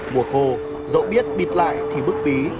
mùa khô dẫu biết bịt lại thì bức bí